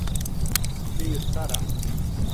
Biju starā!